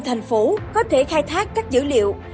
thành phố có thể khai thác các dữ liệu